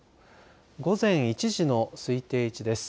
午前１時の推定位置です。